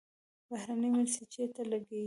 بهرنۍ مرستې چیرته لګیږي؟